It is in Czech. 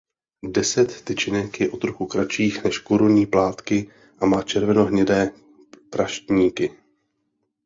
Deset tyčinek je o trochu kratších než korunní plátky a má červenohnědé prašníky.